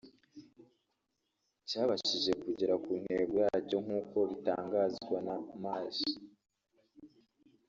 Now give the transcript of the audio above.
cyabashije kugera ku ntego yacyo nk’uko bitangazwa na Maj